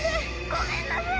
ごめんなさい！